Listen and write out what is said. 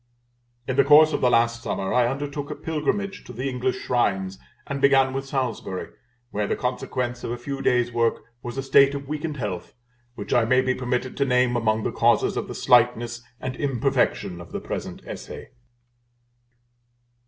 In the course of last summer I undertook a pilgrimage to the English Shrines, and began with Salisbury, where the consequence of a few days' work was a state of weakened health, which I may be permitted to name among the causes of the slightness and imperfection of the present Essay.